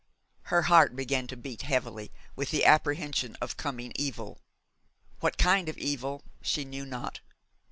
Her heart began to beat heavily, with the apprehension of coming evil. What kind of evil she knew not.